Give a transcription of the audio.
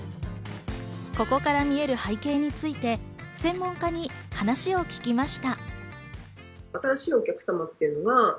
ここから見える背景について専門家に話を聞きました。